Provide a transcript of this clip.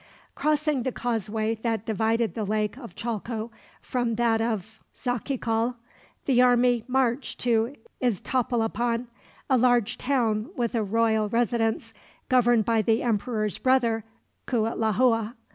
Crossing the causeway that divided the Lake of Chalco from that of Xochical, the army marched to Iztapalapan, a large town with a royal residence, governed by the emperor's brother Cuitlahua.